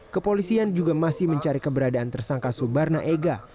kepolisian juga masih mencari keberadaan tersangka subarna ega